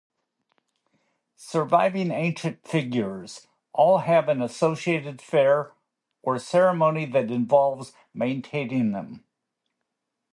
Surviving ancient figures all have an associated fair or ceremony that involves maintaining them.